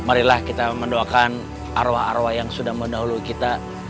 marilah kita mendoakan arwah arwah yang sudah mendahului kita